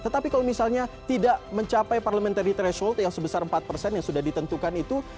tetapi kalau misalnya tidak mencapai parliamentary threshold yang sebesar empat persen yang sudah ditentukan itu